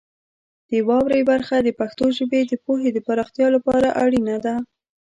د واورئ برخه د پښتو ژبې د پوهې د پراختیا لپاره اړینه ده.